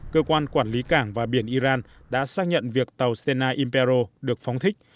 cơ quan quản lý cảng và biển iran đã xác nhận việc tàu stena imperial được phóng thích